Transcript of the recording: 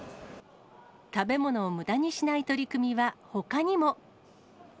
食べ物をむだにしない取り組みはほかにも。